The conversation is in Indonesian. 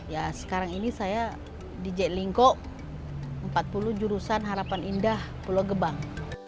ya sekarang ini saya di jailingko empat puluh jurusan harapan indah pulau gebang